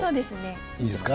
いいですか？